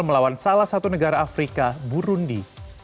melawan salah satu negara afrika burundi